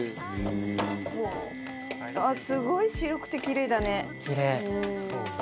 すごい白くてキレイだね。